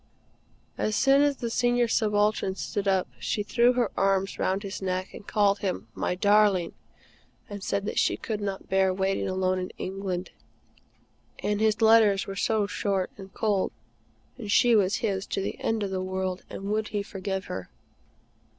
As soon as the Senior Subaltern stood up, she threw her arms round his neck, and called him "my darling," and said she could not bear waiting alone in England, and his letters were so short and cold, and she was his to the end of the world, and would he forgive her.